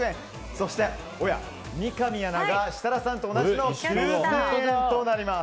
そして三上アナが設楽さんと同じの９０００円となります。